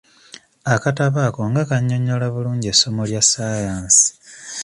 Akatabo ako nga kannyonnyola bulungi essomo lya saayansi!